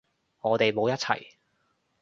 我哋冇一齊